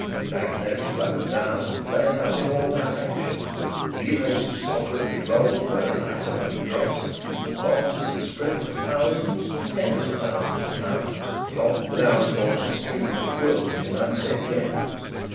Bank notes fluttered down and lay about in all directions, relays of sovereigns rolled away like so much dross, bonds and scrip for thousands and tens of thousands clogged the downpouring stream of jewellery and unset gems.